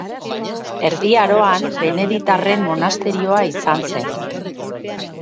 Erdi Aroan beneditarren monasterioa izan zen.